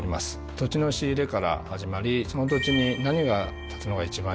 土地の仕入れから始まりその土地に何が立つのが一番いいいのか。